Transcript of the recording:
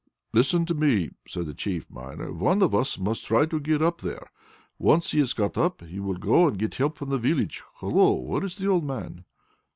"Listen to me," said the chief miner. "One of us must try to get up there. Once he has got up, he will go and get help from the village. Hullo! Where is the old man?"